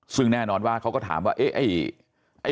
ซึ่งแน่นอนว่าเขาก็ถามว่าเอ๊ะ